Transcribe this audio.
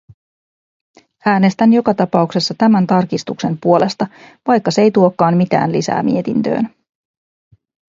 Äänestän joka tapauksessa tämän tarkistuksen puolesta, vaikka se ei tuokaan mitään lisää mietintöön.